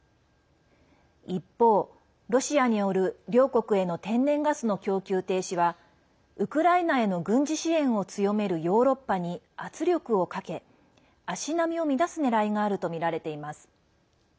一方、ロシアによる両国への天然ガスの供給停止はウクライナへの軍事支援を強めるヨーロッパに圧力をかけ足並みを乱すねらいがあるとみられています。